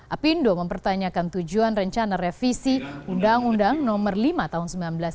apindo mempertanyakan tujuan rencana revisi undang undang nomor lima tahun seribu sembilan ratus sembilan puluh